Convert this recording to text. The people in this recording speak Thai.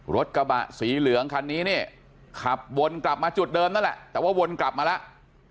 รถกระบะสีเหลืองคันนี้เนี่ยขับวนกลับมาจุดเดิมนั่นแหละแต่ว่าวนกลับมาแล้ว